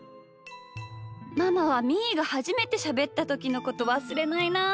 ママはみーがはじめてしゃべったときのことわすれないなあ。